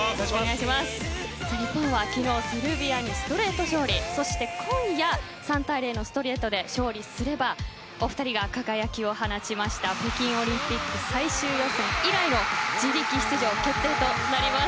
日本は昨日セルビアにストレート勝利そして今夜３対０のストレートで勝利すればお２人が輝きを放った北京オリンピック最終予選以来の自力出場決定となります。